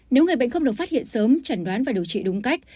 nếu người bệnh không được phát hiện sớm chẩn đoán và điều trị đúng cách